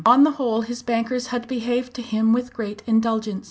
On the whole, his bankers had behaved to him with great indulgence.